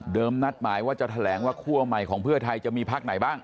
นัดหมายว่าจะแถลงว่าคั่วใหม่ของเพื่อไทยจะมีพักไหนบ้าง